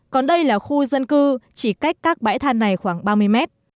còn đây là khu dân cư chỉ cách các bãi than này khoảng ba mươi mét